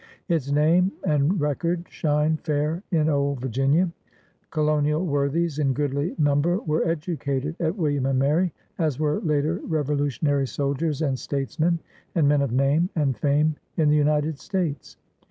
Its name and record shine fair in old Vir ginia. Colonial worthies in goodly number were educated at William and Mary, as we^e later revo lutionary soldiers and statesmen, and men of name and fame in the United States.